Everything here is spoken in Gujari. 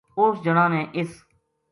اُس جنا نے اِس